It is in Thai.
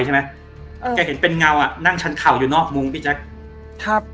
ใช่ไหมอ่าแกเห็นเป็นเงาอ่ะนั่งชั้นเข่าอยู่นอกมุมพี่แจ๊คครับ